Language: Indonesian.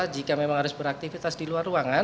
jika memang harus beraktivitas di luar ruangan